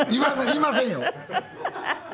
言いませんよ。